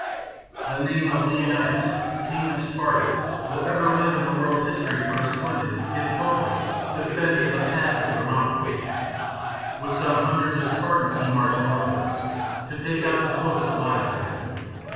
The name of Leonidas, King of Sparta, will ever live in the world's history for his splendid, if hopeless, defence of the Pass of Thermopylae. With some hundreds of Spartans he marched northwards, to take up the post allotted to him.